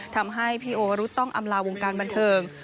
ทำให้พี่โอวรุษต้องอำลาวงการบันเทิง